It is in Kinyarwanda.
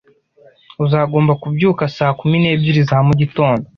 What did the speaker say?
Uzagomba kubyuka saa kumi n'ebyiri za mugitondo